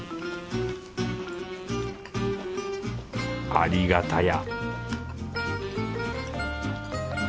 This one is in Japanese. ありがたや